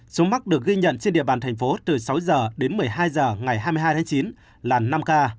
số mắc được ghi nhận trên địa bàn thành phố từ sáu h đến một mươi hai h ngày hai mươi hai tháng chín là năm ca